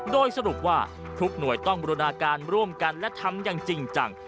โดยสรุปว่าทุกหน่วยต้องบรินาการร่วมกันและทำอย่างจริงจัง